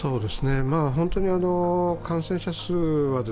本当に感染者数は